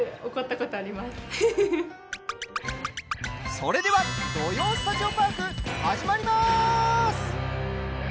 それでは「土曜スタジオパーク」始まります！